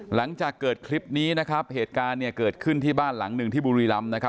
หลังจากเกิดคลิปนี้นะครับเหตุการณ์เนี่ยเกิดขึ้นที่บ้านหลังหนึ่งที่บุรีรำนะครับ